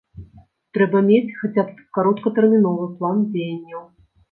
Трэба мець хаця б кароткатэрміновы план дзеянняў.